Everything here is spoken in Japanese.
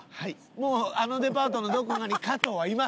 もうあのデパートのどこかに加藤はいます。